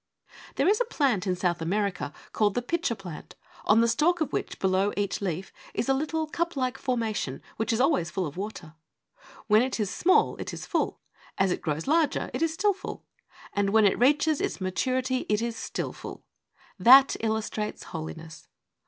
There is a plant in South America, called the ' pitcher plant,' on the stalk of which, below each leaf, is a little cup like formation which is always full of water. When it is very small it is full ; as it grows larger it is still full ; and when it reaches its maturity it is full. That illustrates Holiness.